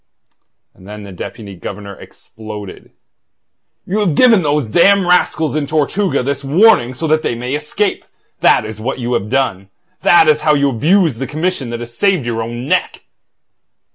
And then the Deputy Governor exploded. "You have given those damned rascals in Tortuga this warning so that they may escape! That is what you have done. That is how you abuse the commission that has saved your own neck!"